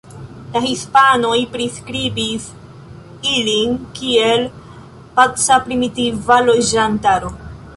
La hispanoj priskribis ilin kiel paca primitiva loĝantaro.